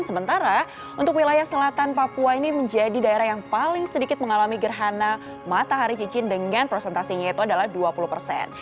sementara untuk wilayah selatan papua ini menjadi daerah yang paling sedikit mengalami gerhana matahari cincin dengan presentasinya itu adalah dua puluh persen